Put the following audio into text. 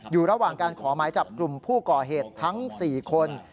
อยู่ระหว่างการขอหมายจับกลุ่มผู้ก่อเหตุทั้ง๔คน